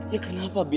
ya kenapa bi